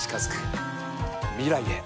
未来へ。